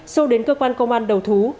sô đến cơ quan công an đầu thú